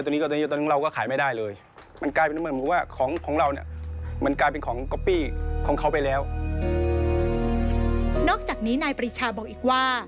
นอกจากนี้นายปริชาบอกอีกว่า